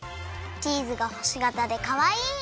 チーズがほしがたでかわいい！